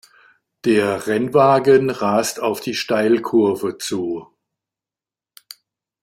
Der Rennwagen rast auf die Steilkurve zu.